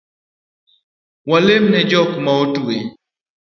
Walem ne jok maotwe